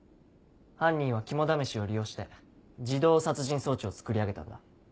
犯人は肝試しを利用して自動殺人装置を作り上げたんだ。